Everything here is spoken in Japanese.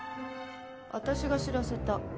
私が知らせた。